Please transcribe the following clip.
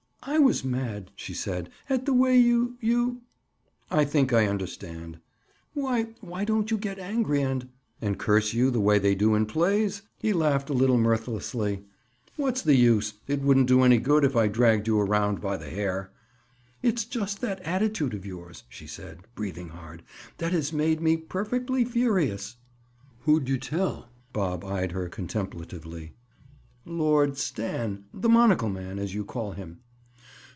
"I was mad," she said, "at the way you—you—" "I think I understand." "Why—why don't you get angry and—" "And curse you the way they do in plays?" He laughed a little mirthlessly. "What's the use? It wouldn't do any good if I dragged you around by the hair." "It's just that attitude of yours," she said, breathing hard, "that has made me perfectly furious." "Who'd you tell?" Bob eyed her contemplatively. "Lord Stan—The monocle man, as you call him."